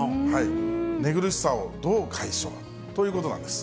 寝苦しさをどう解消？ということなんです。